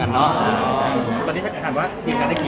อเจมส์ออกไว้กับท่านเดิม